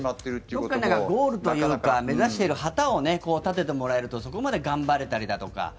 どこかにゴールというか目指している旗を立ててもらえればそこまで頑張れたりだとか